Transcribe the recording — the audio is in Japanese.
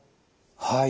はい。